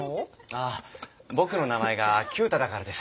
ああ僕の名前が九太だからです。